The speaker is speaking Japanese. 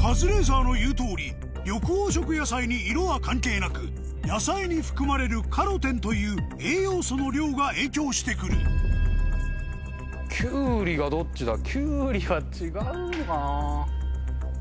カズレーザーの言う通り緑黄色野菜に色は関係なく野菜に含まれるカロテンという栄養素の量が影響して来るキュウリは違うのかなぁ。